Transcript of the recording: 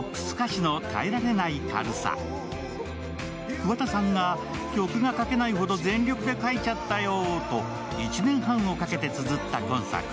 桑田さんが、曲が書けないほど全力で書いちゃったよと、１年半をかけてつづった今作。